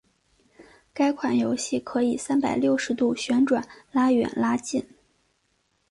该款游戏可以三百六十度旋转拉远拉近。